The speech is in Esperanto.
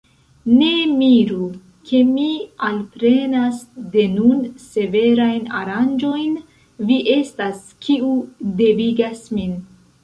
Ne miru, ke mi alprenas de nun severajn aranĝojn: vi estas, kiu devigas min.